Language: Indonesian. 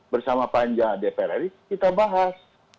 bersama panja dpr ri kita bahas